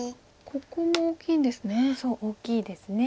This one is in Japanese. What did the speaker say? ここも大きいんですね。